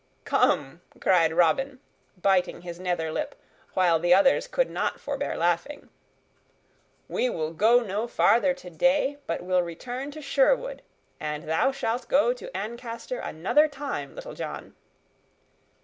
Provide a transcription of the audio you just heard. "Come," cried Robin, biting his nether lip, while the others could not forbear laughing. "We will go no farther today, but will return to Sherwood, and thou shalt go to Ancaster another time, Little John."